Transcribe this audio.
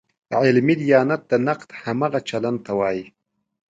علمي دیانت د نقد همغه چلن ته وایي.